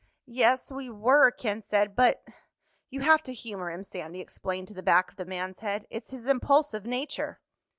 "Yes, we were," Ken said. "But—" "You have to humor him," Sandy explained to the back of the man's head. "It's his impulsive nature."